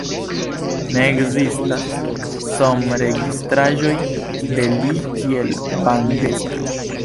Ne ekzistas sonregistraĵoj de li kiel bandestro.